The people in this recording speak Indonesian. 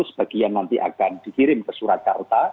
sebagian nanti akan dikirim ke surakarta